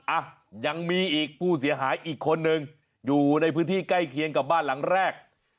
อ่ะยังมีอีกผู้เสียหายอีกคนนึงอยู่ในพื้นที่ใกล้เคียงกับบ้านหลังแรก